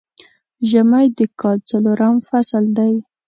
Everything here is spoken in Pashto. ژمی د کال څلورم فصل دی